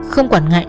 không quản ngại